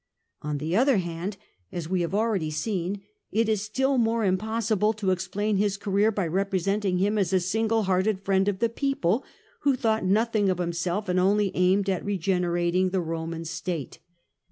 On the other hand, as we have already seen, it is still more impossible to explain his career by representing him as a single hearted friend of the people, who thought nothing of himself, and only aimed at regenerating the Roman state.